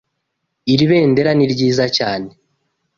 Iri bendera ni ryiza cyane.